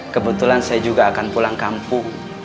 kebetulan saya juga akan pulang kampung